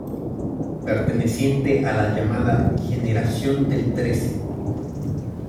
Perteneciente a la llamada "Generación del Trece".